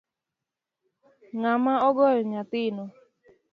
Ngama ogoyo nyathino?